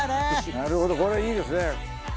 なるほどこれいいですね